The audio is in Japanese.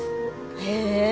へえ。